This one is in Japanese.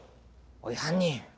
おい犯人！